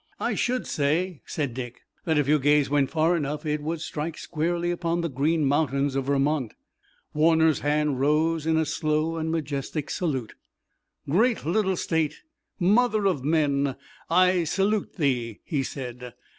"I should say," said Dick, "that if your gaze went far enough it would strike squarely upon the Green Mountains of Vermont." Warner's hand rose in a slow and majestic salute. "Great little state, mother of men, I salute thee!" he said.